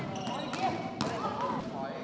สุดท้ายสุดท้ายสุดท้าย